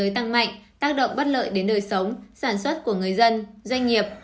tăng mạnh tác động bất lợi đến đời sống sản xuất của người dân doanh nghiệp